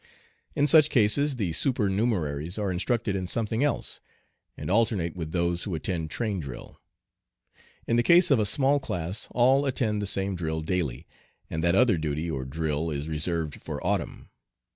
In such cases the supernumeraries are instructed in something else, and alternate with those who attend train drill. In the case of a small class all attend the same drill daily, and that other duty or drill is reserved for autumn.